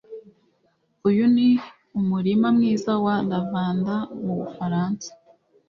Uyu ni umurima mwiza wa lavender mubufaransa.